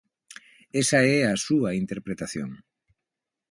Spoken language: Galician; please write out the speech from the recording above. Esa é a súa interpretación.